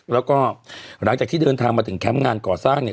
แล้วก็หลังจากที่เดินทางมาถึงแคมป์งานก่อสร้างเนี่ย